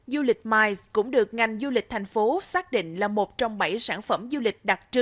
du lịch miles cũng được ngành du lịch thành phố xác định là một trong bảy sản phẩm du lịch đặc trưng